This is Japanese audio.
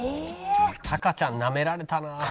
タカちゃんなめられたな。